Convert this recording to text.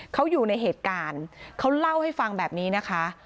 เขาอยู่ในเหตุการณ์เขาเล่าให้ฟังแบบนี้นะคะ